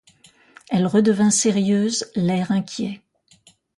Elle redevint sérieuse, l'air inquiet.